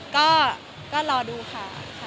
ก็รอดูค่ะ